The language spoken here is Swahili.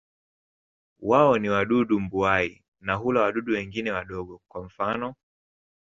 Wao ni wadudu mbuai na hula wadudu wengine wadogo, kwa mfano.